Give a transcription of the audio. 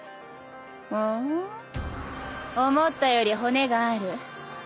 ふん思ったより骨がある。